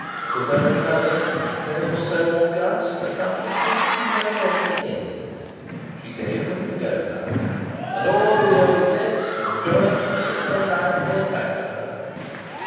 To those other, those so august, accomplishments she no more pretended. She gave them the go by. And all the old zest and joyousness of her life came back to her.